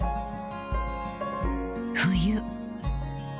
［冬］